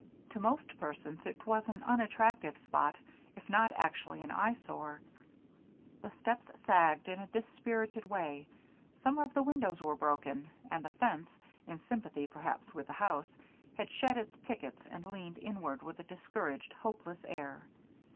To most persons it was an unattractive spot if not actually an eyesore. The steps sagged in a dispirited way, some of the windows were broken, and the fence, in sympathy perhaps with the house, had shed its pickets and leaned inward with a discouraged, hopeless air.